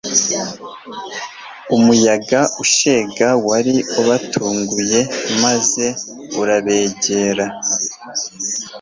umuyaga ushega wari ubatunguye maze urabegera.